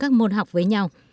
các môn học với nhau